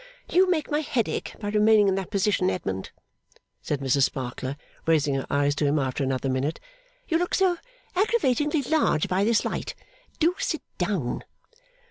'You make my head ache by remaining in that position, Edmund,' said Mrs Sparkler, raising her eyes to him after another minute; 'you look so aggravatingly large by this light. Do sit down.